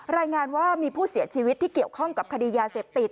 รายงานว่ามีผู้เสียชีวิตที่เกี่ยวข้องกับคดียาเสพติด